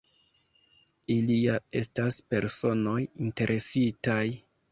Ili ja estas personoj interesitaj.